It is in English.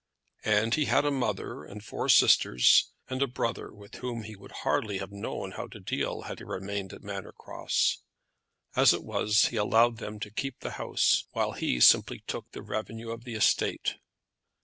And he had a mother and four sisters, and a brother with whom he would hardly have known how to deal had he remained at Manor Cross. As it was, he allowed them to keep the house, while he simply took the revenue of the estate.